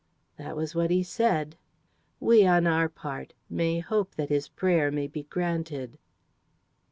That was what he said. We, on our part, may hope that his prayer may be granted.